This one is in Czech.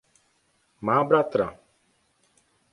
Má bratra.